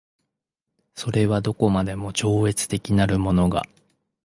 それはどこまでも超越的なるものが